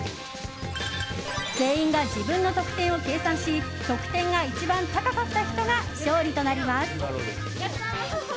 全員が自分の得点を計算し得点が一番高かった人が勝利となります。